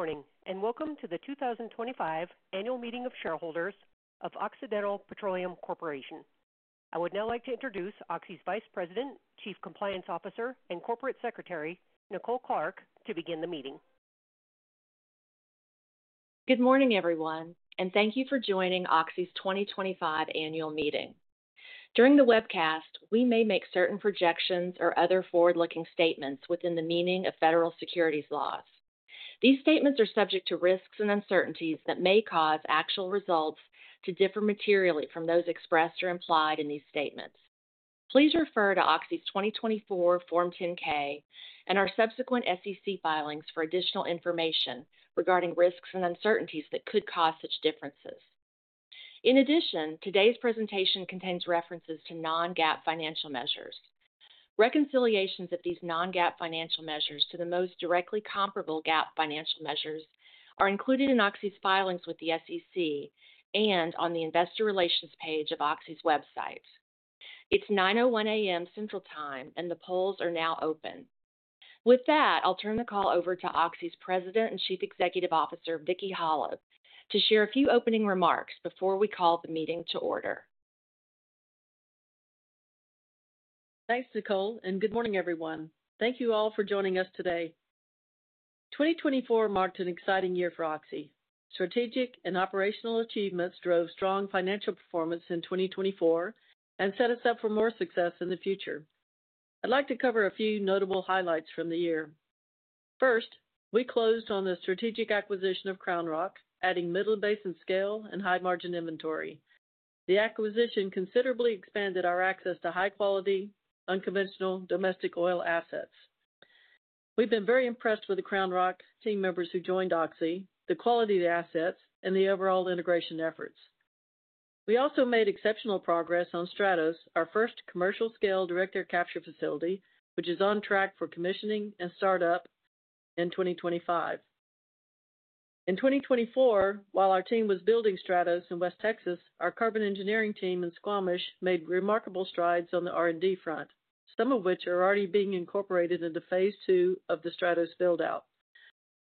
Good morning and welcome to the 2025 Annual Meeting of Shareholders of Occidental Petroleum Corporation. I would now like to introduce Oxy's Vice President, Chief Compliance Officer, and Corporate Secretary, Nicole Clark, to begin the meeting. Good morning, everyone, and thank you for joining Oxy's 2025 Annual Meeting. During the webcast, we may make certain projections or other forward-looking statements within the meaning of federal securities laws. These statements are subject to risks and uncertainties that may cause actual results to differ materially from those expressed or implied in these statements. Please refer to Oxy's 2024 Form 10-K and our subsequent SEC filings for additional information regarding risks and uncertainties that could cause such differences. In addition, today's presentation contains references to non-GAAP financial measures. Reconciliations of these non-GAAP financial measures to the most directly comparable GAAP financial measures are included in Oxy's filings with the SEC and on the Investor Relations page of Oxy's website. It's 9:01 A.M. Central Time, and the polls are now open. With that, I'll turn the call over to Oxy's President and Chief Executive Officer, Vicki Hollub, to share a few opening remarks before we call the meeting to order. Thanks, Nicole, and good morning, everyone. Thank you all for joining us today. 2024 marked an exciting year for Oxy. Strategic and operational achievements drove strong financial performance in 2024 and set us up for more success in the future. I'd like to cover a few notable highlights from the year. First, we closed on the strategic acquisition of CrownRock, adding Midland Basin scale and high-margin inventory. The acquisition considerably expanded our access to high-quality, unconventional domestic oil assets. We've been very impressed with the CrownRock team members who joined Oxy, the quality of the assets, and the overall integration efforts. We also made exceptional progress on STRATOS, our first commercial-scale direct-air capture facility, which is on track for commissioning and startup in 2025. In 2024, while our team was building STRATOS in West Texas, our carbon engineering team in Squamish made remarkable strides on the R&D front, some of which are already being incorporated into Phase II of the STRATOS buildout.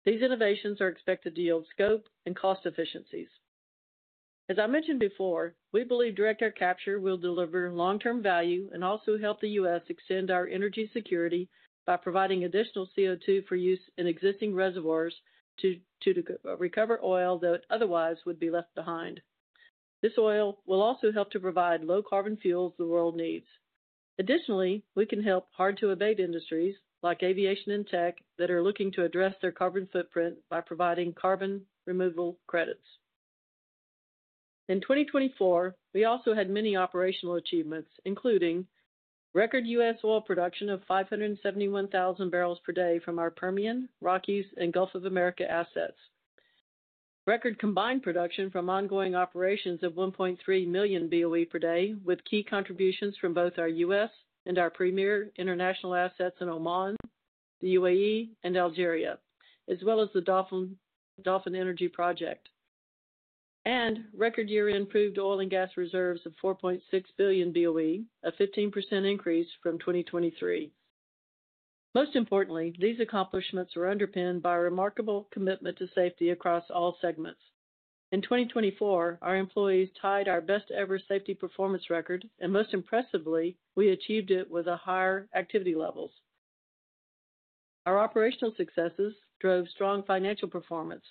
These innovations are expected to yield scope and cost efficiencies. As I mentioned before, we believe direct-air capture will deliver long-term value and also help the U.S. extend our energy security by providing additional CO2 for use in existing reservoirs to recover oil that otherwise would be left behind. This oil will also help to provide low-carbon fuels the world needs. Additionally, we can help hard-to-abate industries like aviation and tech that are looking to address their carbon footprint by providing carbon removal credits. In 2024, we also had many operational achievements, including record U.S. Oil production of 571,000 barrels per day from our Permian, Rockies, and Gulf of Mexico assets, record combined production from ongoing operations of 1.3 million BOE per day, with key contributions from both our U.S. and our premier international assets in Oman, the UAE, and Algeria, as well as the Dolphin Energy Project, and record year-end proved oil and gas reserves of 4.6 billion BOE, a 15% increase from 2023. Most importantly, these accomplishments are underpinned by a remarkable commitment to safety across all segments. In 2024, our employees tied our best-ever safety performance record, and most impressively, we achieved it with higher activity levels. Our operational successes drove strong financial performance.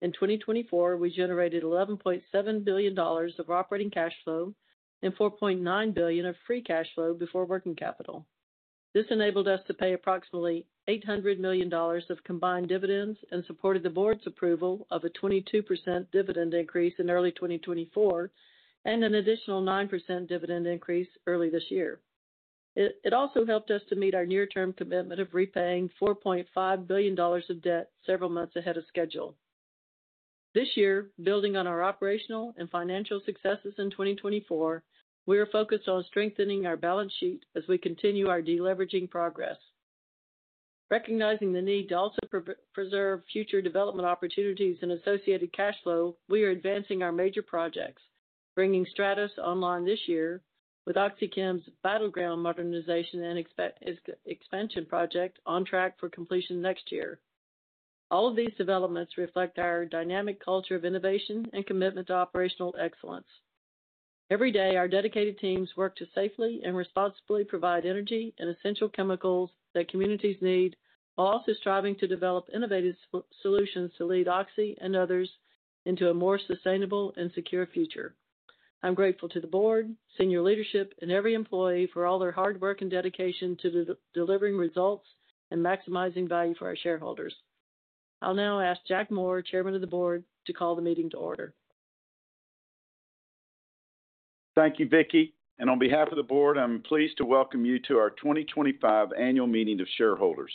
In 2024, we generated $11.7 billion of operating cash flow and $4.9 billion of free cash flow before working capital. This enabled us to pay approximately $800 million of combined dividends and supported the board's approval of a 22% dividend increase in early 2024 and an additional 9% dividend increase early this year. It also helped us to meet our near-term commitment of repaying $4.5 billion of debt several months ahead of schedule. This year, building on our operational and financial successes in 2024, we are focused on strengthening our balance sheet as we continue our deleveraging progress. Recognizing the need to also preserve future development opportunities and associated cash flow, we are advancing our major projects, bringing STRATOS online this year with OxyChem's Battleground modernization and expansion project on track for completion next year. All of these developments reflect our dynamic culture of innovation and commitment to operational excellence. Every day, our dedicated teams work to safely and responsibly provide energy and essential chemicals that communities need, while also striving to develop innovative solutions to lead Oxy and others into a more sustainable and secure future. I'm grateful to the board, senior leadership, and every employee for all their hard work and dedication to delivering results and maximizing value for our shareholders. I'll now ask Jack Moore, Chairman of the Board, to call the meeting to order. Thank you, Vicki. On behalf of the board, I'm pleased to welcome you to our 2025 Annual Meeting of Shareholders.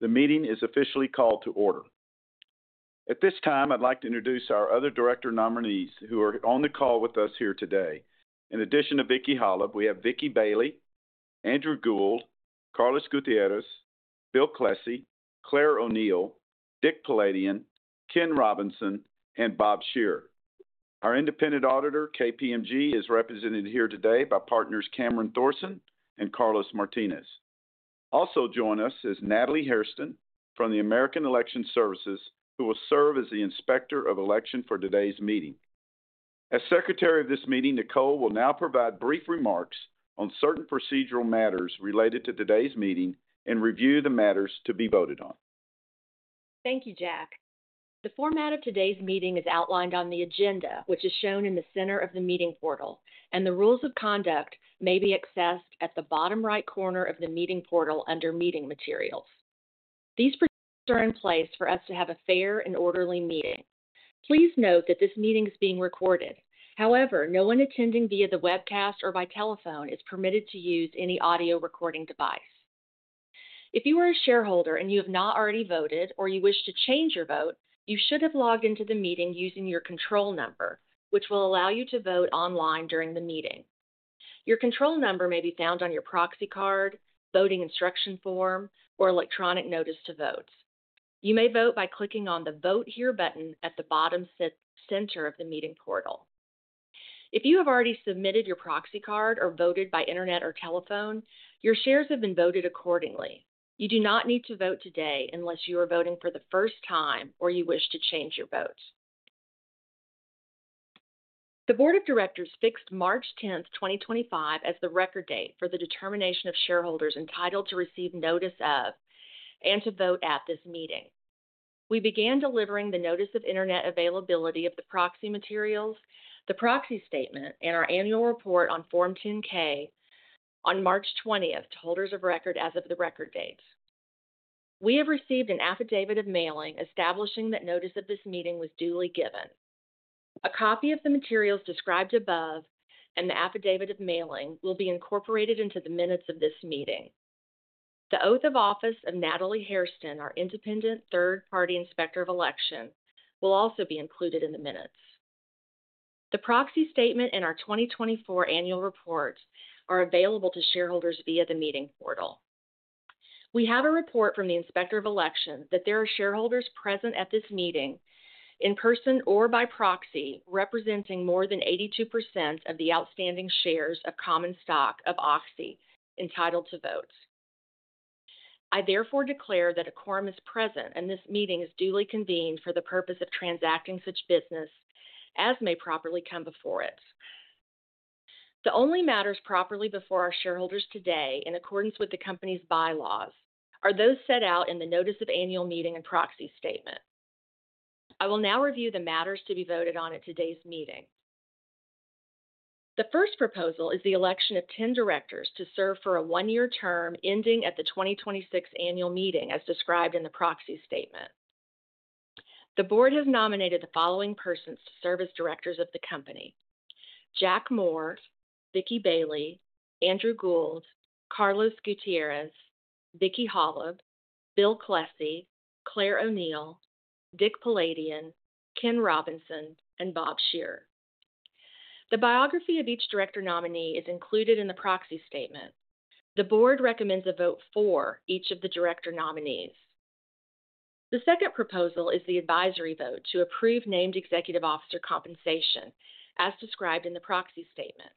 The meeting is officially called to order. At this time, I'd like to introduce our other director nominees who are on the call with us here today. In addition to Vicki Hollub, we have Vicky Bailey, Andrew Gould, Carlos Gutierrez, Bill Klesse, Claire O'Neill, Dick Poladian, Ken Robinson, and Bob Shearer. Our independent auditor, KPMG, is represented here today by partners Camaron Thorson and Carlos Martinez. Also joining us is Natalie Hairston from American Election Services, who will serve as the inspector of election for today's meeting. As Secretary of this meeting, Nicole will now provide brief remarks on certain procedural matters related to today's meeting and review the matters to be voted on. Thank you, Jack. The format of today's meeting is outlined on the agenda, which is shown in the center of the meeting portal, and the rules of conduct may be accessed at the bottom right corner of the meeting portal under Meeting Materials. These procedures are in place for us to have a fair and orderly meeting. Please note that this meeting is being recorded. However, no one attending via the webcast or by telephone is permitted to use any audio recording device. If you are a shareholder and you have not already voted or you wish to change your vote, you should have logged into the meeting using your control number, which will allow you to vote online during the meeting. Your control number may be found on your proxy card, voting instruction form, or electronic notice to vote. You may vote by clicking on the Vote Here button at the bottom center of the meeting portal. If you have already submitted your proxy card or voted by internet or telephone, your shares have been voted accordingly. You do not need to vote today unless you are voting for the first time or you wish to change your vote. The Board of Directors fixed March 10, 2025, as the record date for the determination of shareholders entitled to receive notice of and to vote at this meeting. We began delivering the notice of internet availability of the proxy materials, the Proxy Statement, and our annual report on Form 10-K on March 20 to holders of record as of the record date. We have received an affidavit of mailing establishing that notice of this meeting was duly given. A copy of the materials described above and the affidavit of mailing will be incorporated into the minutes of this meeting. The oath of office of Natalie Hairston, our independent third-party inspector of election, will also be included in the minutes. The Proxy Statement and our 2024 annual report are available to shareholders via the meeting portal. We have a report from the inspector of election that there are shareholders present at this meeting in person or by proxy representing more than 82% of the outstanding shares of common stock of Oxy entitled to vote. I therefore declare that a quorum is present and this meeting is duly convened for the purpose of transacting such business as may properly come before it. The only matters properly before our shareholders today, in accordance with the company's bylaws, are those set out in the notice of Annual Meeting and Proxy Statement. I will now review the matters to be voted on at today's meeting. The first proposal is the election of 10 directors to serve for a one-year term ending at the Annual Meeting as described in the Proxy Statement. The board has nominated the following persons to serve as directors of the company: Jack Moore, Vicky Bailey, Andrew Gould, Carlos Gutierrez, Vicki Hollub, Bill Klesse, Claire O'Neill, Dick Poladian, Ken Robinson, and Bob Shearer. The biography of each director nominee is included in the Proxy Statement. The board recommends a vote for each of the director nominees. The second proposal is the advisory vote to approve named executive officer compensation as described in the Proxy Statement.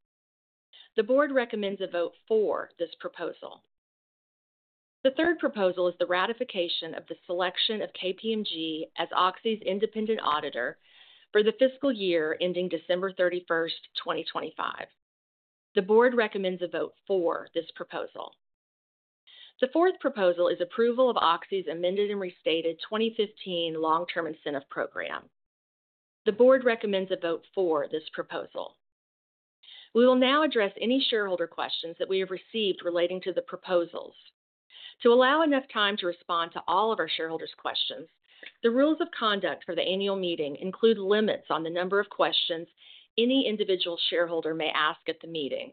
The board recommends a vote for this proposal. The third proposal is the ratification of the selection of KPMG as Oxy's independent auditor for the fiscal year ending December 31, 2025. The board recommends a vote for this proposal. The fourth proposal is approval of Oxy's amended and restated 2015 long-term incentive program. The board recommends a vote for this proposal. We will now address any shareholder questions that we have received relating to the proposals. To allow enough time to respond to all of our shareholders' questions, the rules of conduct for the Annual Meeting include limits on the number of questions any individual shareholder may ask at the meeting.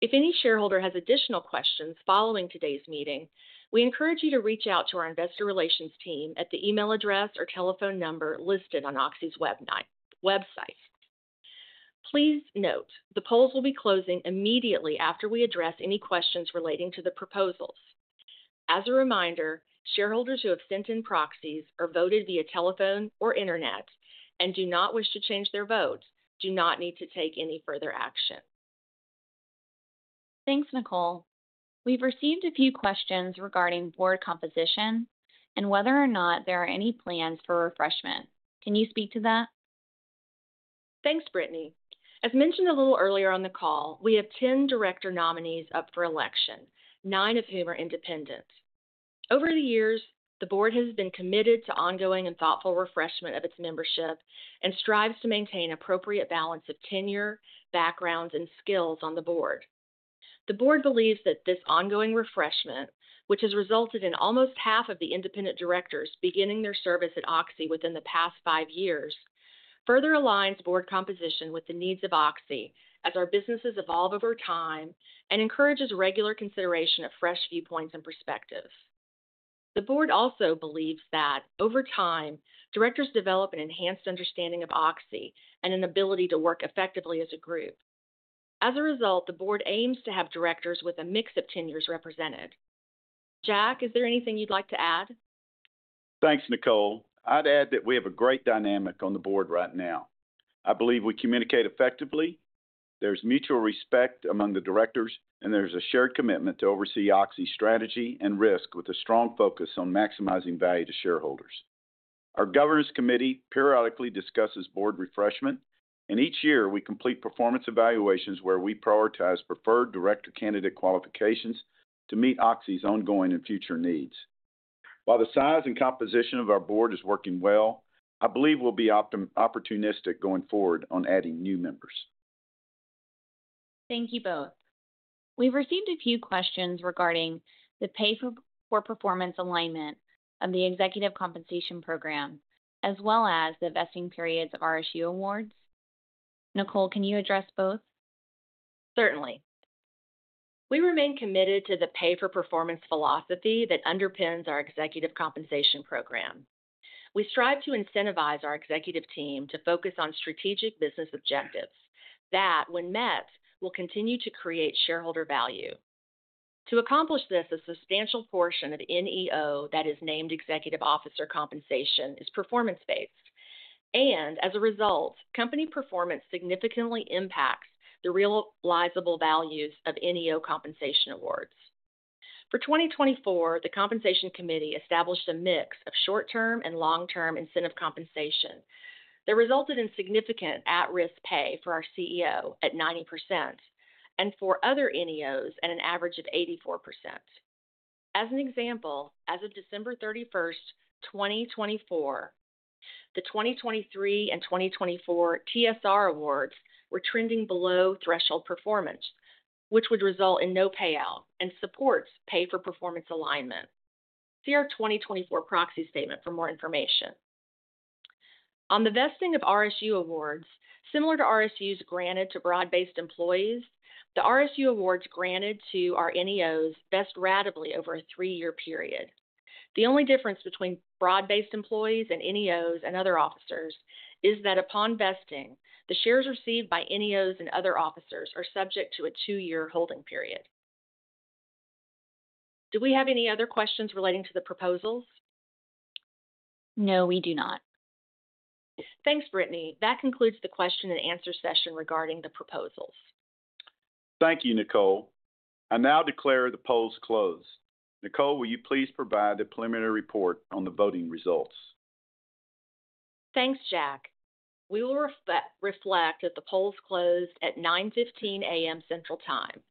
If any shareholder has additional questions following today's meeting, we encourage you to reach out to our investor relations team at the email address or telephone number listed on Oxy's website. Please note, the polls will be closing immediately after we address any questions relating to the proposals. As a reminder, shareholders who have sent in proxies or voted via telephone or internet and do not wish to change their vote do not need to take any further action. Thanks, Nicole. We've received a few questions regarding board composition and whether or not there are any plans for refreshment. Can you speak to that? Thanks, Brittany. As mentioned a little earlier on the call, we have 10 director nominees up for election, nine of whom are independent. Over the years, the board has been committed to ongoing and thoughtful refreshment of its membership and strives to maintain an appropriate balance of tenure, backgrounds, and skills on the board. The board believes that this ongoing refreshment, which has resulted in almost half of the independent directors beginning their service at Oxy within the past five years, further aligns board composition with the needs of Oxy as our businesses evolve over time and encourages regular consideration of fresh viewpoints and perspectives. The board also believes that over time, directors develop an enhanced understanding of Oxy and an ability to work effectively as a group. As a result, the board aims to have directors with a mix of tenures represented. Jack, is there anything you'd like to add? Thanks, Nicole. I'd add that we have a great dynamic on the board right now. I believe we communicate effectively. There's mutual respect among the directors, and there's a shared commitment to oversee Oxy's strategy and risk with a strong focus on maximizing value to shareholders. Our governance committee periodically discusses board refreshment, and each year we complete performance evaluations where we prioritize preferred director candidate qualifications to meet Oxy's ongoing and future needs. While the size and composition of our board is working well, I believe we'll be opportunistic going forward on adding new members. Thank you both. We've received a few questions regarding the pay-for-performance alignment of the executive compensation program, as well as the vesting periods of RSU awards. Nicole, can you address both? Certainly. We remain committed to the pay-for-performance philosophy that underpins our executive compensation program. We strive to incentivize our executive team to focus on strategic business objectives that, when met, will continue to create shareholder value. To accomplish this, a substantial portion of NEO, that is named executive officer, compensation is performance-based. As a result, company performance significantly impacts the realizable values of NEO compensation awards. For 2024, the compensation committee established a mix of short-term and long-term incentive compensation. That resulted in significant at-risk pay for our CEO at 90% and for other NEOs at an average of 84%. As an example, as of December 31, 2024, the 2023 and 2024 TSR awards were trending below threshold performance, which would result in no payout and supports pay-for-performance alignment. See our 2024 Proxy Statement for more information. On the vesting of RSU awards, similar to RSUs granted to broad-based employees, the RSU awards granted to our NEOs vest ratably over a three-year period. The only difference between broad-based employees and NEOs and other officers is that upon vesting, the shares received by NEOs and other officers are subject to a two-year holding period. Do we have any other questions relating to the proposals? No, we do not. Thanks, Brittany. That concludes the question-and-answer session regarding the proposals. Thank you, Nicole. I now declare the polls closed. Nicole, will you please provide the preliminary report on the voting results? Thanks, Jack. We will reflect that the polls closed at 9:15 A.M. Central Time.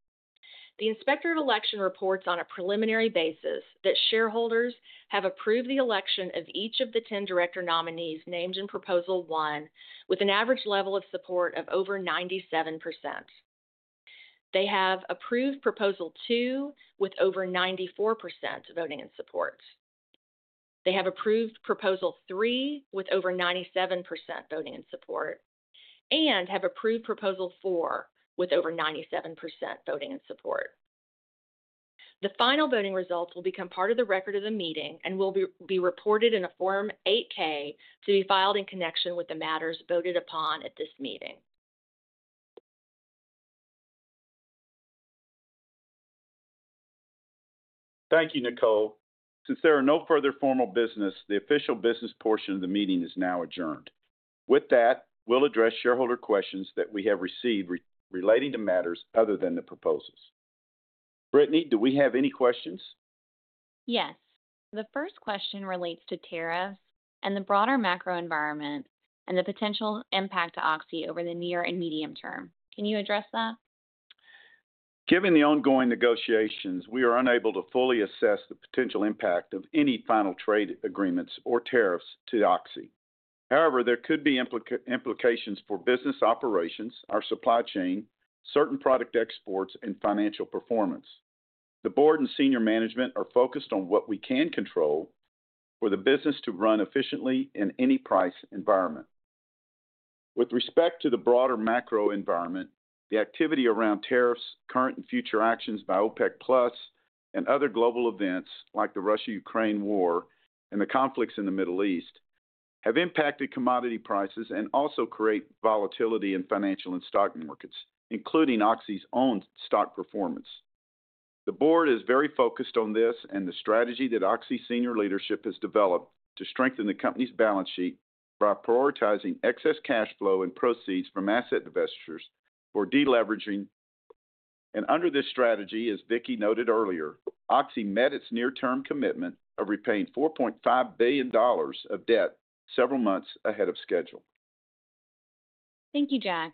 The inspector of election reports on a preliminary basis that shareholders have approved the election of each of the 10 director nominees named in proposal one with an average level of support of over 97%. They have approved proposal two with over 94% voting in support. They have approved proposal three with over 97% voting in support and have approved proposal four with over 97% voting in support. The final voting results will become part of the record of the meeting and will be reported in a Form 8-K to be filed in connection with the matters voted upon at this meeting. Thank you, Nicole. Since there are no further formal business, the official business portion of the meeting is now adjourned. With that, we'll address shareholder questions that we have received relating to matters other than the proposals. Brittany, do we have any questions? Yes. The first question relates to tariffs and the broader macro environment and the potential impact to Oxy over the near and medium term. Can you address that? Given the ongoing negotiations, we are unable to fully assess the potential impact of any final trade agreements or tariffs to Oxy. However, there could be implications for business operations, our supply chain, certain product exports, and financial performance. The Board and Senior Management are focused on what we can control for the business to run efficiently in any price environment. With respect to the broader macro environment, the activity around tariffs, current and future actions by OPEC+, and other global events like the Russia-Ukraine war and the conflicts in the Middle East have impacted commodity prices and also create volatility in financial and stock markets, including Oxy's own stock performance. The Board is very focused on this and the strategy that Oxy's senior leadership has developed to strengthen the company's balance sheet by prioritizing excess cash flow and proceeds from asset investors for deleveraging. Under this strategy, as Vicki noted earlier, Oxy met its near-term commitment of repaying $4.5 billion of debt several months ahead of schedule. Thank you, Jack.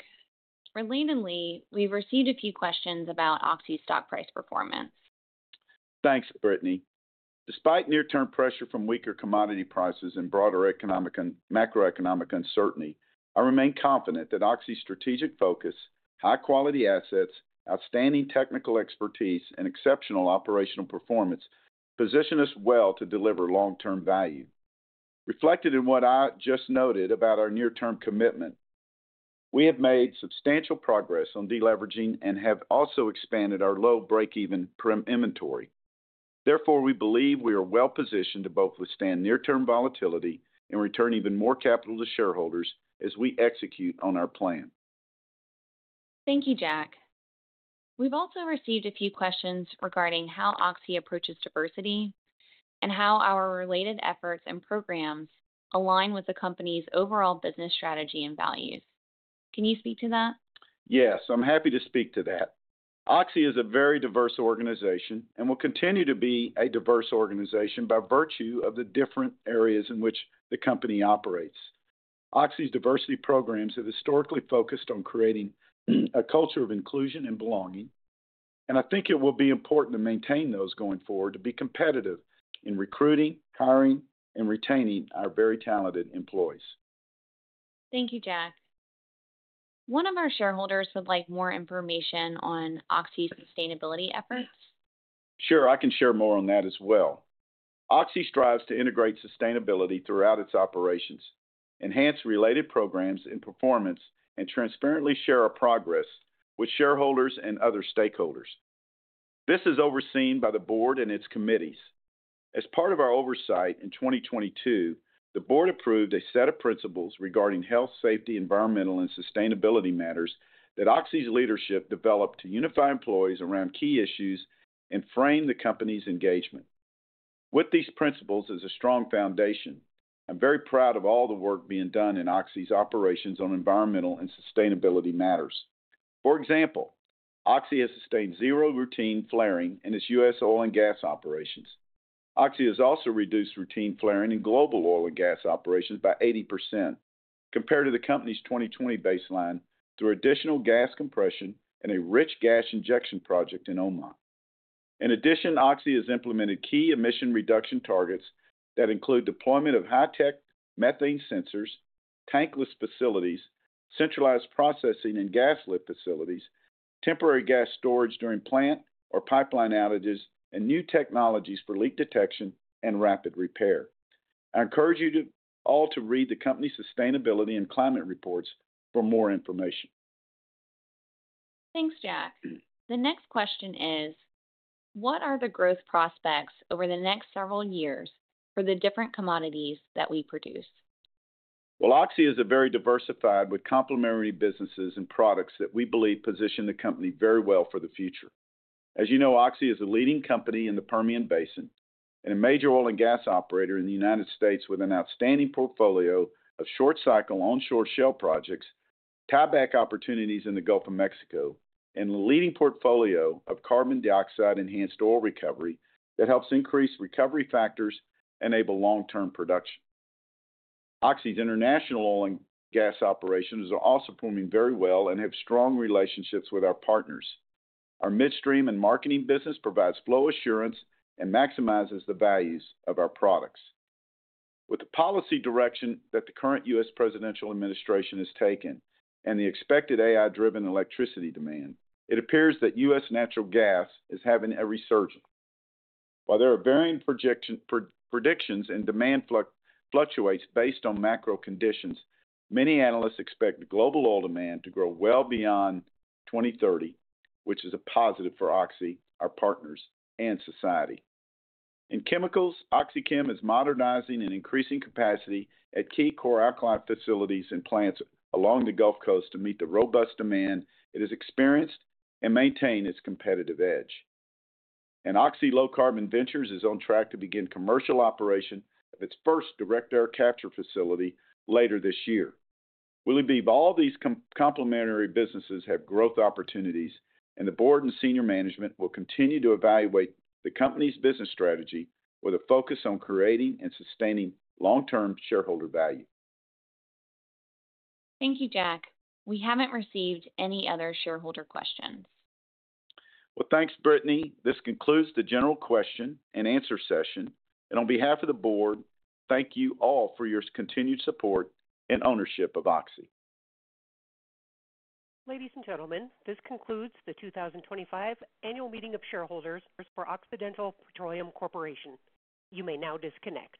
Relatedly, we've received a few questions about Oxy's stock price performance. Thanks, Brittany. Despite near-term pressure from weaker commodity prices and broader macroeconomic uncertainty, I remain confident that Oxy's strategic focus, high-quality assets, outstanding technical expertise, and exceptional operational performance position us well to deliver long-term value. Reflected in what I just noted about our near-term commitment, we have made substantial progress on deleveraging and have also expanded our low break-even inventory. Therefore, we believe we are well positioned to both withstand near-term volatility and return even more capital to shareholders as we execute on our plan. Thank you, Jack. We've also received a few questions regarding how Oxy approaches diversity and how our related efforts and programs align with the company's overall business strategy and values. Can you speak to that? Yes, I'm happy to speak to that. Oxy is a very diverse organization and will continue to be a diverse organization by virtue of the different areas in which the company operates. Oxy's diversity programs have historically focused on creating a culture of inclusion and belonging. I think it will be important to maintain those going forward to be competitive in recruiting, hiring, and retaining our very talented employees. Thank you, Jack. One of our shareholders would like more information on Oxy's sustainability efforts. Sure, I can share more on that as well. Oxy strives to integrate sustainability throughout its operations, enhance related programs and performance, and transparently share our progress with shareholders and other stakeholders. This is overseen by the board and its committees. As part of our oversight in 2022, the board approved a set of principles regarding health, safety, environmental, and sustainability matters that Oxy's leadership developed to unify employees around key issues and frame the company's engagement. With these principles as a strong foundation, I'm very proud of all the work being done in Oxy's operations on environmental and sustainability matters. For example, Oxy has sustained zero routine flaring in its U.S. oil and gas operations. Oxy has also reduced routine flaring in global oil and gas operations by 80% compared to the company's 2020 baseline through additional gas compression and a rich gas injection project in Oman. In addition, Oxy has implemented key emission reduction targets that include deployment of high-tech methane sensors, tankless facilities, centralized processing and gas lift facilities, temporary gas storage during plant or pipeline outages, and new technologies for leak detection and rapid repair. I encourage you all to read the company's sustainability and climate reports for more information. Thanks, Jack. The next question is, what are the growth prospects over the next several years for the different commodities that we produce? Oxy is a very diversified with complementary businesses and products that we believe position the company very well for the future. As you know, Oxy is a leading company in the Permian Basin and a major oil and gas operator in the United States with an outstanding portfolio of short-cycle onshore shale projects, tieback opportunities in the Gulf of Mexico, and a leading portfolio of carbon dioxide-enhanced oil recovery that helps increase recovery factors and enable long-term production. Oxy's international oil and gas operations are also performing very well and have strong relationships with our partners. Our midstream and marketing business provides flow assurance and maximizes the values of our products. With the policy direction that the current U.S. presidential administration has taken and the expected AI-driven electricity demand, it appears that U.S. natural gas is having a resurgence. While there are varying predictions and demand fluctuates based on macro conditions, many analysts expect global oil demand to grow well beyond 2030, which is a positive for Oxy, our partners, and society. In chemicals, OxyChem is modernizing and increasing capacity at key chlor-alkali facilities and plants along the Gulf Coast to meet the robust demand it has experienced and maintain its competitive edge. Oxy Low Carbon Ventures is on track to begin commercial operation of its first direct air capture facility later this year. [Vicki Hollub], all these complementary businesses have growth opportunities, and the board and Senior Management will continue to evaluate the company's business strategy with a focus on creating and sustaining long-term shareholder value. Thank you, Jack. We haven't received any other shareholder questions. Thanks, Brittany. This concludes the general question and answer session. On behalf of the board, thank you all for your continued support and ownership of Oxy. Ladies and gentlemen, this concludes the 2025 Annual Meeting of Shareholders for Occidental Petroleum Corporation. You may now disconnect.